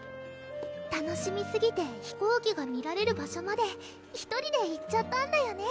楽しみすぎて飛行機が見られる場所まで１人で行っちゃったんだよね？